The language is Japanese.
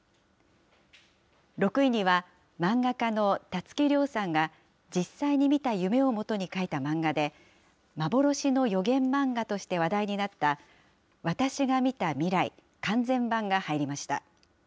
６位には、漫画家のたつき諒さんが実際に見た夢をもとに描いた漫画で、幻の予言漫画として話題になった、私が見た未来完全版が入りました。